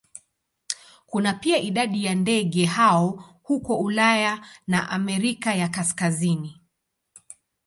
Kuna pia idadi ya ndege hao huko Ulaya na Amerika ya Kaskazini.